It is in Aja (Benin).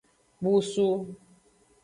Busu.